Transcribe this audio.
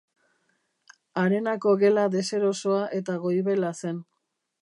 Arenako gela deserosoa eta goibela zen.